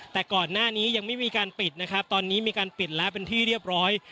แต่ก่อนหน้านี้ยังไม่มีการปิดนะครับตอนนี้มีการปิดแล้วเป็นที่เรียบร้อย